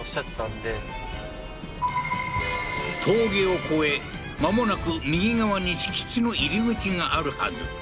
峠を越え間もなく右側に敷地の入口があるはず